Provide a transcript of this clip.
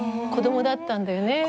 子供だったんだよね？